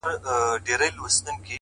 سپوږمۍ په لپه کي هغې په تماسه راوړې.